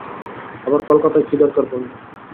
আবার কলকাতায় কী দরকার পড়ল।